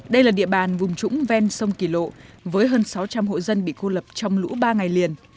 đây là địa bàn vùng trũng ven sông kỳ lộ với hơn sáu trăm linh hộ dân bị cô lập trong lũ ba ngày liền